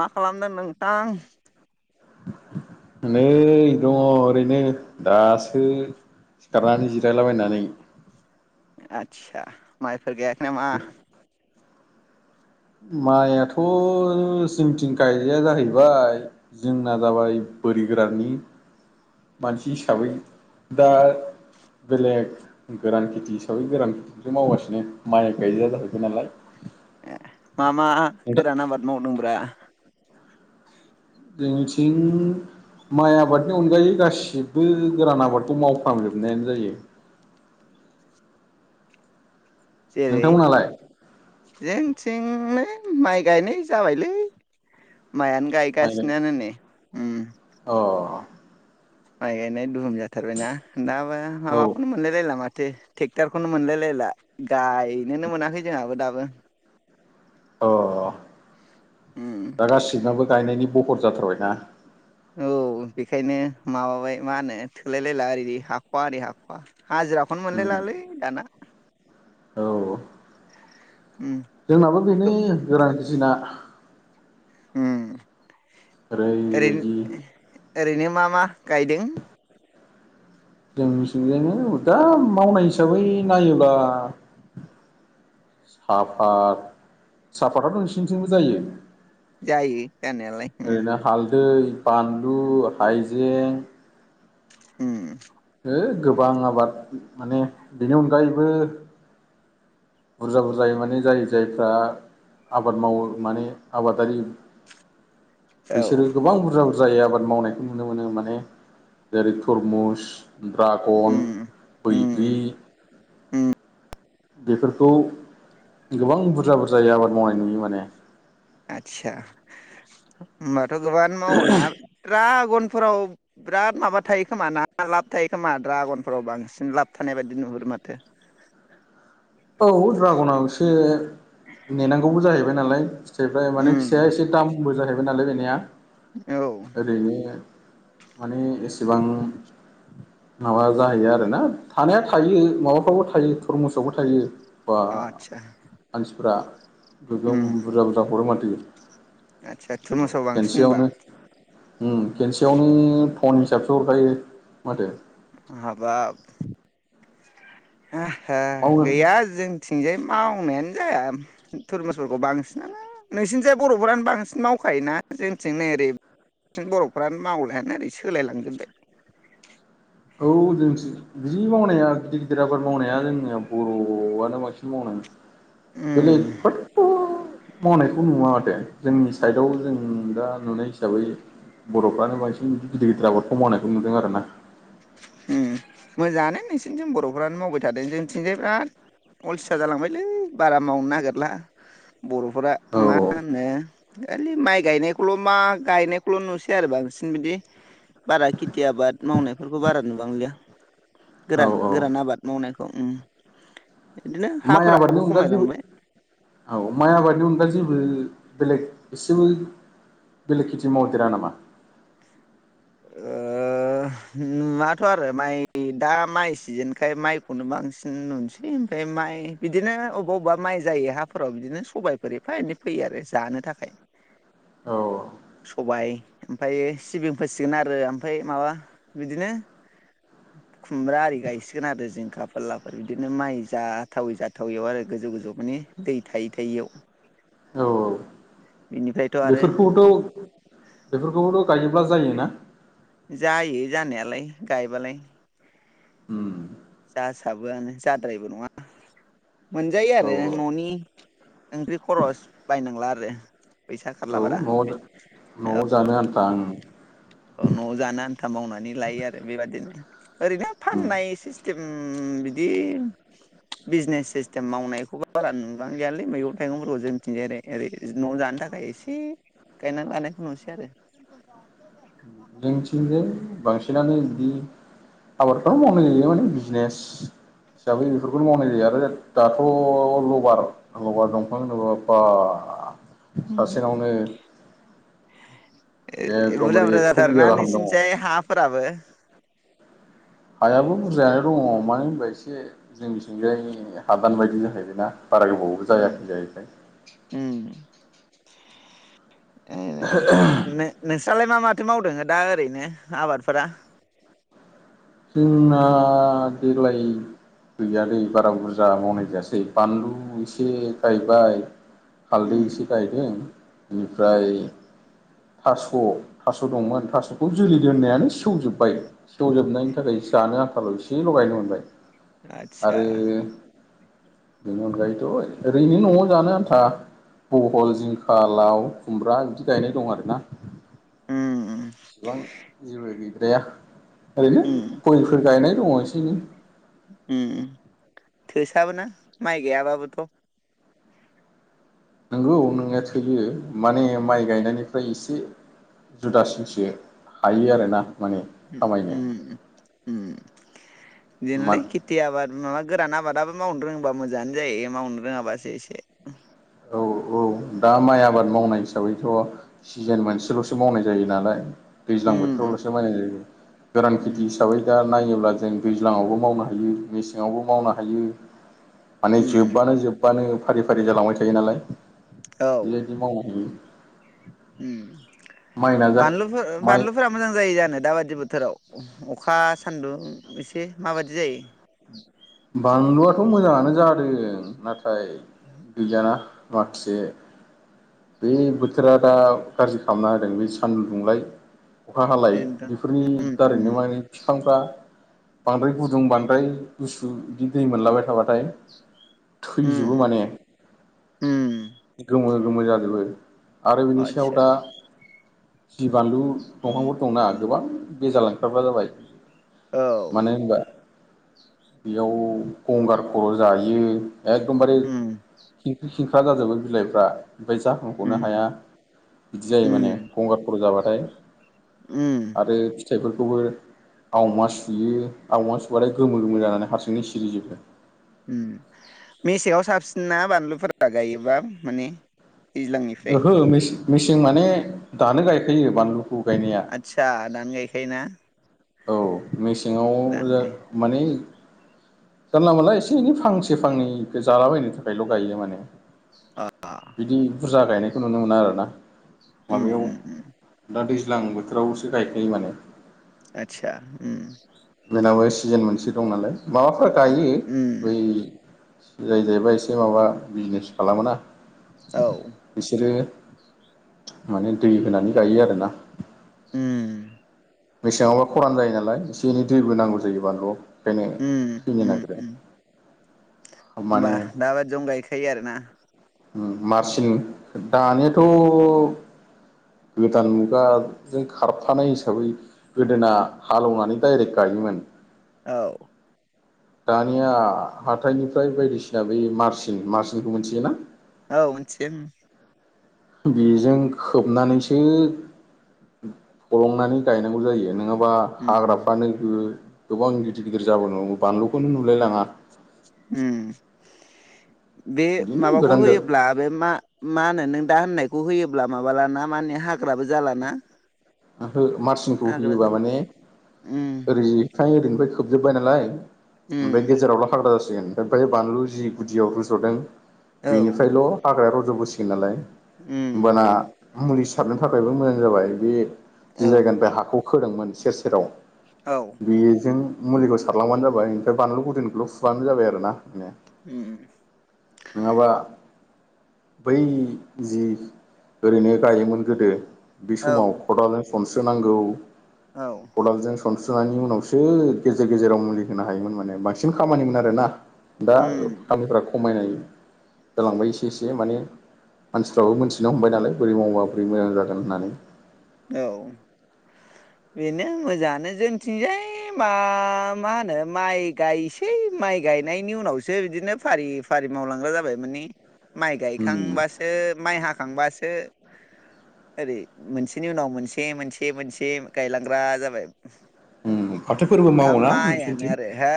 मा खालामदो नोंथां नै दङ ओरैनो दासो सिखारनानै जिरायलाबायनानै आतसा माइफोर गायाखै नामा माइआथ जोंथिं गाया जाहैबाय जोंना जाबाय बोरिगोराननि मानसि हिसाबै दा बेलेग गोरान खेथि हिसाबै गोरान खेथिखौसो मावगासिनो माइ गायजा [unintelligible] नालाय ए मा मा गोरान आबाद मावदोंब्रा? जोंनिथिं माइ आबादनि अनगायै गासिबो गोरान आबादखौ मावफ्रामजोबनायानो जायो। जेरै नोंथांमोनालाय जे थिंजाय माइ गायनाय जाबायलै मायानो माइ गायगासिनोयानो नै अ माइ गायनाय दुहुम जाथारबायना दा बा औ माबाखौनो मोनलायलायला मा थो ट्रेक्टरखौनो मोनलायलायला गायनोनो मोनाखै जोंहाबो दाबो अ उम दा गासिबनाबो गायनायनि बहर जाथारबायना। औ बेखायनो माबाबाय मा होनो थोलायलायला ओरै हाख'वा ओरै हाख'वा हाजिराखौनो मोनलायलालै दाना। औ औ उम जोंनाबो बेनो गोरान गिसिना उम ओरै ओरैबायदि ओरैनो मा मा गायदों। जोंनि थिंजायनि दा मावनाय हिसाबै नायोब्ला साफात साफतआथ' नोंसिनिथिंबो जायो। जायो जानायालाय उम ओरैनो हालदै बानलु हाइजें उम ओ गोबां आबाद माने बिनि अनगायैबो बुरजा बुरजायै माने जाय जायफ्रा आबाद मावो माने आबादारि औ बिसोरो गोबां बुरजा बुरजा जायै आबाद मावनायखौ नुनो मोनो माने जेरै तरमुस उम दड्रागन उम बैग्रि उम बेफोरखौ गोबां बुरजा बुरजायै आबाद मावनाय नुयो माने। आदसा होनबाथ' गोबाङानो मावोना द्रागन फोराव बिराद माबा थायो खोमा ना लाब थायो खोमा ड्रागनफोराव बांसिन लाब थानाय बायदि नुहुरोमोन माथो औ ड्रागनाव एसे नेनांगौबो जाहैबाय नालाय ओफ्राय माने उम फिसाया एसे दामबो जाहैबाय नालाय बेनिया औ ओरैनो माने एसेबां माबा जाहैयो आरो ना थानाया थायो माबाफ्रावबो थायो थरमुसआवबो थायो। बा आदसा मानसिफ्रा गोगोंम उम बुरजा बुरजा हरो माथो आदसा औ थुरमुसाव बांसिन होनबा खेनसेयावनो। उम खेनसेयावनो थन हिसाबसो हरखायो माथो। हाबाब हाहा मावनो गैया जोंथिजाय मावनायानो जाया थरमासफोरखौ बांसिनानो नोंसिनि जाय बर'फोरानो बांसिन मावखायोना जोंनिथिं नै ओरै थिं बर'फोरानो मावलायानो ओरै सोलायलांजोब्बाय [inaudible] औ जोंनिथिं जि मावनाया गिदिर गिदिर आबाद मावनाया जोंनिया बर'आनो बांसिन मावनानै उम बेलेग फ्राथ' मावनायखौ नुवा माथो जोंनि साइडआव जों दा नुनाय हिसाबै बर'फ्रानो बांसिन गिदिर गिदिर आबादखौ मावनायखौ नुदों आरोना ओम मोजाङानो नोंसिनिथिं बर'फ्रानो मावबाय थादों जोंनिथिंजाय बिराद अलसिया जालांबायलै बारा मावनो नागिरला बर'फोरा औ मा होननो खालि माइ गायनायखौल' मा गायनायखौल' नुसै आरो बांसिन बिदि बारा खेथि आबाद बेफोरखौ बारा नुबांलिया गोरान औ औ गोरान आबाद मावनायखौ बिदिनो माइ आबादनि हाफोराबो अनगा जेबो खमायलांबाय औ माइ आबादनि अनगा जेबो बेलेग बिसिम बेलेग खेथि मावदेरा नामा [unintelligible] ओ उम नुवाथ' आरो माइ दा माइ सिजेनखाय माइखौनो बांसिन नुनोसै ओमफ्राय माइ बिदिनो अबेबा अबेबा माइ जायो हाफोराव बिदिनो सबायफोर एफा एनै फैयो आरो जानो थाखाय [inaudible] सबायाइ ओमफ्राय सिबिं फोसिगोन आरो ओमफ्राय माबा बिदिनो खुमब्रा आरि गायसिगोन आरो जिंखा फोरलाफोर बिदिनो माइ जाथावै जाथावैयाव आरो गोजौ गोजौ माने दै थायै थायैयाव औ औ बिनिफ्रायथ' आरो बेफोरखौबोथ' बेफोरखौबोथ' गायो अब्ला जायोना जायो जानायालाय गायबालाय [inaudible] गासाबोआनो जाद्राययि नङा मोनजायो औ आरो औ न'नि ओंख्रि खरस बायनांला आरो फैसा खारला औ बारा न'आवनो न'आव जानो आन्था ओं न'आव जानो आन्था मावनानै लायो आरो बेबदिनो ओरैनो उम फाननाय एसे बिदि उम बिदि बिजनेस सिस्टेम मावनायखौबो बारा नुबांलियालै मैगं थाइगंफोरखौ जों निथिंजायो ओरै न'आव जानो थाखाय एसे गायनानै लानायखौ नुसै आरो जोंथिंजाय बांसिनानो बिदि आबादफ्रा मावनाय जायो माने बिजनेस हिसाबै बेफोरखौनो मावनाय जायो आरो दाथ' रबार लबार दंफां दंङ बा सासेनावनो बुरजा एकदमबारे बुरजा एक्स' जाथारो बिगा ना गाहाम दङ नोंसिनिथिंजाय हाफोराबो हायाबो बुरजायानो दङ मानो होनबा एसे जोंनिथिंजाय हादान बायदि जाहैबाय ना बारा गोबावबो उम जायाखै जाहैबाय उम नो नोंस सालाय मा माथो मावदो दा ओरैनो आबादफोरा जोंना देग्लाय गैयालै बारा बुरजा मावनाय जासै बानलु एसे गायबाय उम हालदै इसे गायदों औ बेनिफ्राय थास' थास' दंमोन थास'खौ जोलै दोननायानो सेवजोब्बाय सेवजोबनायनि नि थाखायसे जानो आंथाल' एसे लगायनो मोनबाय आतसा आरो बेनि अनगायैथ' ओरैनो न'आव जानो आन्था बहल जिंखा लाव खुमब्रा बिदि गायनाय दं आरोना उम इसिबां जेबो गैद्राया ओरैनो उम गयफोर गायनाय दङ एसे एनै थोसाबोना माइ गायाबाबोथ' नंगौ नोंनाया थोयो माने उम माइ गायनायनि ओमफ्राय एसे जुदासिनसो हायो आरोना माने खामायनो उम उम उम मान इदिनलै केथिआबाद माबा गोरान आबादाबो मावनो रोङोबा मोजाङानो जायो मावनो रोङाबासो एसे औ औ दा माइ आबाद मावनाय हिसाबै बेथ' सिजोन मोनसेल'सो मावनाय जायो नालाय दैज्लां उम बोथोरावल'सो मावनायनाय जायो गोरान खेथि उम हिसाबै दा नायोब्ला जों दैज्लांङावबो मावनो हायो मेसेङावबो मावनो हायो माने उम जोब्बानो जोब बानो फारि फारि जालांबाय थायो नालाय औ बेबायदि मावनो उम माइना जा बानलुफो माइ बानलुफोरा मोजां जायो जानो दाबादि बोथोराव अखा सान्दुं एसे माबायदि जायो बानलुआथ मोजाङानो जादों नाथाय गैयाना मा खासे बे बोथोरा दा गाज्रि खालामना होदों बे सान्दुं दुंलाय अखा हालाय बेनोथ' बेफोरनि दारैनो माने बिफांफ्रा बांद्राय गुदुं बांद्राय गुसु बिदि दै मोनलाबाय थाबाथाय थैजोबो माने गोमो गोमो जा जोबो आरो बिनि सायाव आदसा दा जि बानलु दंफांफोर दंना गोबां बेजाला हाबबा जाबाय औ मानो होनबा बेयाव गंगार खर' जायो एखदमबारे उम खिंख्रि खिंख्रि ख्रा जाजोबो बिलाइफ्रा ओमफफ्राय जाखांखनो उम हाया बिदि जायो माने उम गंगार खर जाबा थाय उम आरो फिथाइफोरखौबो आवमा सुयो आवमा सुबाथाय गोमो गोमो जानानै हारसिंनि सिरिजोबो उम मेसेंआव साबसिन ना बानलुफोरा गायोबा मानि दैज्लांनिफ्राय मेचं माने दानो गायखायो बानलु आतसा दानो गायखायोना औ मेसेङाव दानो गाय माने जानला मोनला एसे एनै फांसे फांनैखौ जालाबायनो थाखायल गायो माने आ बिदि बुरजा गायनायखौ नुनो मोना आरोना उम माबायाव उम उम दा दैज ज्लां बोथोरावसो गायखायो माने आतसा उम बेनाबो सिजोन मोनसे दं नालाय माबाफोर गायो बै उम जाय जायबा एसे माबा बिजनेस खालामोना औ बिसोरो माने दै होनानै गायो आरोना उम मेसेङावबा खरान जायो नालाय एसे एनै दैबो नांगौ जायो बानलुआव बेखायनो उम थैनो नागिरो उमबा माने दाबायदियान गायखायो आरो ना उम मारसिन दानियाथ गोदान मुगा जों खारफानाय हिसाबै गोदोना हालेवनानै दडाइरेक्ट गाय योमोन औ दानिया हाथायनिफ्राय बायदिसिना बै मारसिन मारसिनखौ मिथियोना औ मोनथियो उम बेजों खोबनानैसो फलंनानै गायनांगौ जायो नोङाब बा उम हाग्राफ्रानो गो-गोबां गिदिर गिदिर जाबोनो हमो बानलुखौनो नुलाय लाङा उम बे बिदिनो माबाखौ गोदान होयोब्ला बे मा-मा होनो नों दा होननायखौ होयोब्ला माबालाना माने हाग्राबो जालाना ओहो मार्सिनखौ हाग्रा होयोबा जाला माने उम ओरै फाय ओरैनिफ्राय खोबजोब्बाय नालाय ओमफाय उम गेजेरावल' हाग्रा जास सिगोन ओमफ्रायो बानलु जि गुदियाव रुज'दों औ बेनिफ्रायल' हाग्राया रज'बोसिगोन नालाय उम होमबाना मुलि सारनो थाखायबो मोजां जाबाय बे जि औ जायगानिफाय हाखौ खोदोंमोन सेर सेराव औ बेजों मुलिखौ सारलांबानो जाबाय ओमफाय बानलु हुदोनखौल' फुबानो जाबाय आरो ना। [unintelligible] उम नोङाबा औ बै खदालजों सनस्रोनांगौ औ खदालजों सनस्रो [unintelligible] नायनि उनावसो गेजेर गेजेराव मुलि होनो हायोमोन माने बांसिन खामानिमोन आरो ना। दा उम खामिफ्रा खमायनाय जालांबाय एसे एसे माने मानसिफ्राबो मोनथिनो हमबाय नालाय बोरै मावबा बोरै मोजां जागोन होननानै औ बेनो मोजाङानो जोंथिंजाय मा मा होनो माइ गायसै माइ गायनायनि उनावसो बिदिनो फारि फा [unintelligible] मावलांग्रा जाबाय माने माइ उम गायखांबासो माइ हाखांबासो ओरै मोनस इनि उनाव मोनसे-मोनसे-मोनसे गायलांग्रा जाबाय उम फाथो फोरबो दा मावो ना माइयानो नोंसोरनिथिं? आरो हो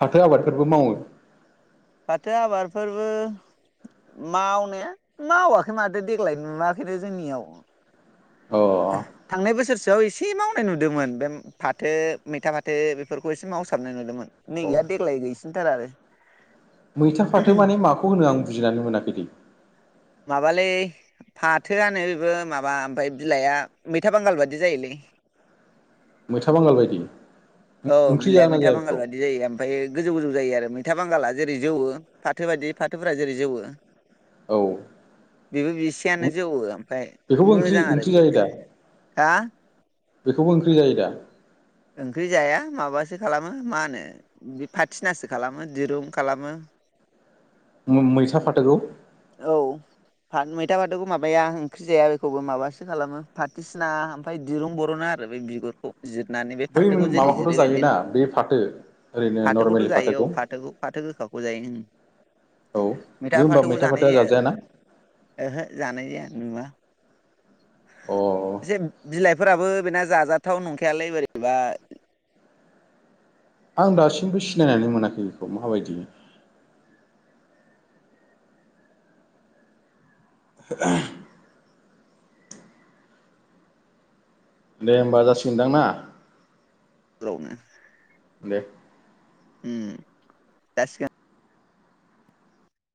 फाथो आबादफोरबो मावो। फाथो आबादफोरबो मावनाया मावाखै मादो देग्लाय नुवाखैनो जोंनियाव अ थांनाय बोसोरस जाव एसे मावनाय नुदोमोन बे फाथो मैथा फाथो बेफोरखौ एसे मावसाबनाय नुदोमोन। नै अ गैया देग्लाय गैसिनथारा आरो मैथा फाथो माने माखौ होनो आं बुजिनानै मोनाखै दै माबालै फाथोआनो बो माबा ओमफाय बिलाइआ मैथा बांगाल बायदि जायोलै। [unintelligible] मैथा बांगाल बायदि औ ओंख्रि बिलाइआ जागोन ना मैथा जाया बेखौ बांगाल बायदि जायो ओमफायो गोजौ गोजौ जायो आरो मै था बांगाला जेरै जौवो फाथो बायदि फाथोफोरा जेरै जौवो औ बेबो बिसेयानो जौवो ओमफाय बेखौबो ओंख्रि मोजां आरो ओंख्रि बे जायो दा हा बेखौबो ओंख्रि जायो दा? ओंख्रि जाया माबासो खालामो मा होनो बे फाथिनासो खालामो दिरुं खालामो। उम मैथा फाथोखौ औ फा मैथा फाथोखौ माबाया ओंख्रि जाया बेखौबो माबासो खालामो फाथिसिना ओमफाय दिरुं बर'ना आरो बे बिगुरखौ जिदनानै बे बै फाथोखौ जेरै माबाखौथ' जिरो जायोना बिदिनो बे फाथो ओरैनो फाथोखौथ' नर्मेलि जायो औ फाथोखौ फाथो गोखाखौ जायों औ बे होनबा मैथा फाथ [unintelligible] ओहो जानाय जाया नुआ अ एसे बिलाइफोराबो बेना जाजाथाव नंखायालै बोरैबा आं दासिमबो सिनायनानै मोनाखै बेखौ माबायदि [unintelligible] दे होमबा जासिगोनदां ना [unintelligible] दे उम जासिगो